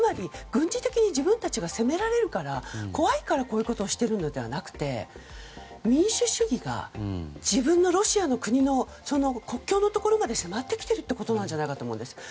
軍事的に自分たちが攻められるから怖いからこういうことをしているのではなくて民主主義が自分のロシアの国の国境のところまで迫ってきていることなんじゃないかと思うんです。